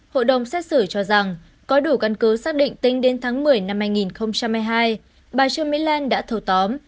hội đồng xét xử cho rằng có đủ căn cứ xác định tính đến tháng một mươi năm hai nghìn hai mươi hai bà trương mỹ lan đã thâu tóm